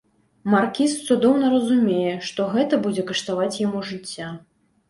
Маркіз цудоўна разумее, што гэта будзе каштаваць яму жыцця.